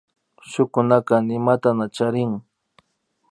Shukunaka nimata charin